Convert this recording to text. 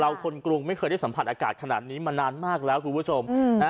คนกรุงไม่เคยได้สัมผัสอากาศขนาดนี้มานานมากแล้วคุณผู้ชมนะ